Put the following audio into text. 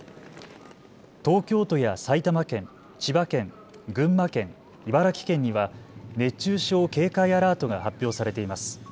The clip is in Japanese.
東京都や埼玉県、千葉県、群馬県、茨城県には熱中症警戒アラートが発表されています。